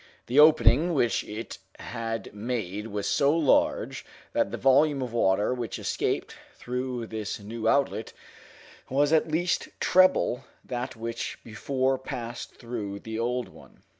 The opening which it had made was so large that the volume of water which escaped through this new outlet was at least treble that which before passed through the old one.